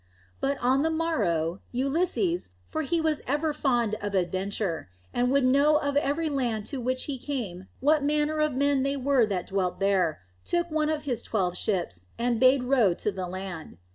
But on the morrow, Ulysses, for he was ever fond of adventure, and would know of every land to which he came what manner of men they were that dwelt there, took one of his twelve ships and bade row to the land.